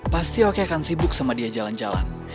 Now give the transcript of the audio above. pasti oke akan sibuk sama dia jalan jalan